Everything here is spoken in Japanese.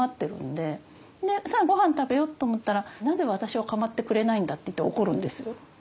でさあごはん食べようと思ったらなぜ私を構ってくれないんだっていって怒るんですよ。